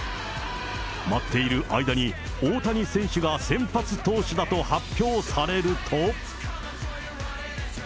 待っている間に大谷選手が先発投手だと発表されると。